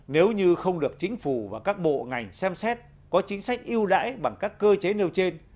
nếu như không được chính phủ và các bộ ngành xem xét có chính sách yêu đãi bằng các cơ chế nêu trên